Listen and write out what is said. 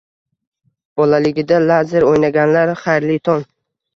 Bolaligida Lazer o'ynaganlar, xayrli tong!